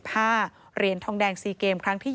เหรนทองแดงซีเกมครั้งที่๒๖